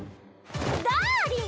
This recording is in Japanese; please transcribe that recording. ダーリン！